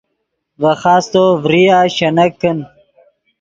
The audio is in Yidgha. ڤے خاستو ڤریا شینک کن